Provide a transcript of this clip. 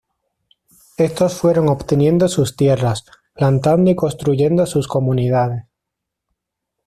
Estos fueron obteniendo sus tierras, plantando y construyendo sus comunidades.